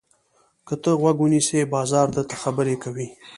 که ته غوږ ونیسې، بازار درته خبرې کوي.